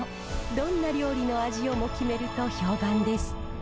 どんな料理の味をも決めると評判です。